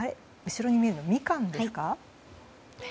後ろに見えるのはみかんですか？